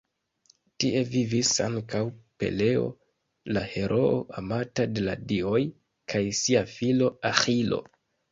Tie vivis ankaŭ Peleo, la heroo amata de la dioj, kaj sia filo Aĥilo.